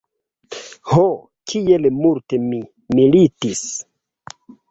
Ho, kiel multe mi militis!